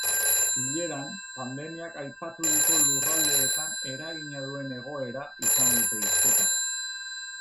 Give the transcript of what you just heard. Bileran, pandemiak aipaturiko lurraldeetan eragin duen egoera izan dute hizketagai.